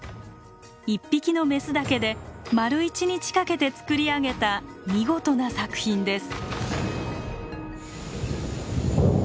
一匹のメスだけで丸一日かけて作り上げた見事な作品です。